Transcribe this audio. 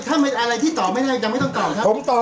ถ้ามีอะไรที่ตอบไม่ได้แต่ไม่ต้องตอบ